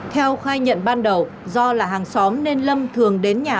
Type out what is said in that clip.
theo khai nhận ban đầu do là hàng xóm nên lâm thường đến nhà